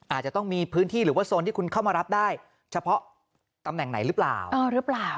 อาจจะต้องมีพื้นที่หรือว่าโซนที่คุณเข้ามารับได้เฉพาะตำแหน่งไหนหรือเปล่าเออหรือเปล่า